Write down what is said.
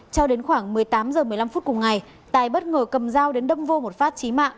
cho đến khoảng một mươi tám h một mươi năm phút cùng ngày tài bất ngờ cầm dao đến đâm vô một phát chí mạng